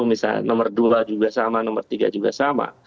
misalnya nomor dua juga sama nomor tiga juga sama